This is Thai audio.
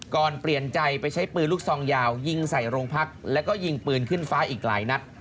เปลี่ยนใจไปใช้ปืนลูกซองยาวยิงใส่โรงพักแล้วก็ยิงปืนขึ้นฟ้าอีกหลายนัด